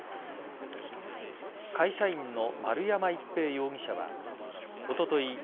会社員の丸山一平容疑者はおととい